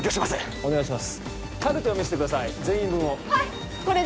お願いします